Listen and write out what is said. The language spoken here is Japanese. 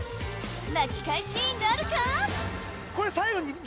巻き返しなるか！？